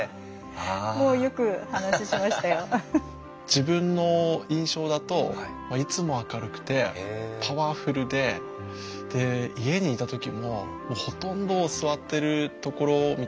自分の印象だといつも明るくてパワフルでで家にいた時もほとんど座ってるところを見た時なくて。